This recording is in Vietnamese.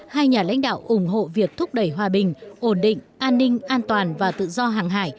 hai nhà lãnh đạo ủng hộ việc thúc đẩy hòa bình ổn định an ninh an toàn và tự do hàng hải